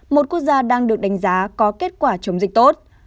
một quốc gia đang được đánh giá có kết quả chống dịch tốt